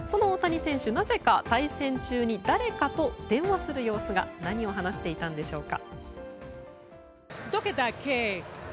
なぜか対戦中に誰かと電話する様子が何を話していたのでしょうか。